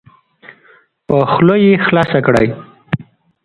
په خوله یې خلاصه کړئ.